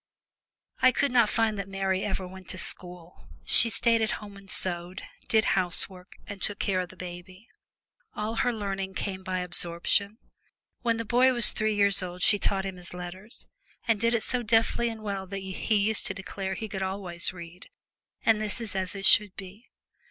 I can not find that Mary ever went to school. She stayed at home and sewed, did housework, and took care of the baby. All her learning came by absorption. When the boy was three years old she taught him his letters, and did it so deftly and well that he used to declare he could always read and this is as it should be.